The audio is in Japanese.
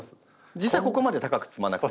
実際はここまで高く積まなくていい？